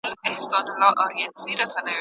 ماشوم د مور په غېږ کې په ارامه سترګې پټې کړې.